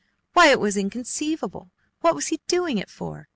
Why, it was inconceivable! What was he doing it for?